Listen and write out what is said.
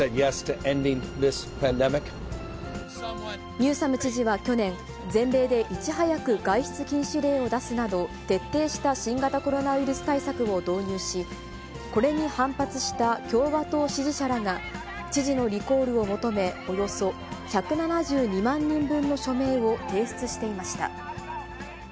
ニューサム知事は去年、全米でいち早く外出禁止令を出すなど、徹底した新型コロナウイルス対策を導入し、これに反発した共和党支持者らが知事のリコールを求め、およそ１７２万人分の署名を提出していました。